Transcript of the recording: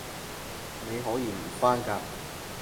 你可以唔返㗎